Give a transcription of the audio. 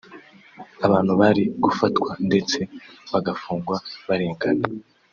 abantu bari gufatwa ndetse bagafungwa barengana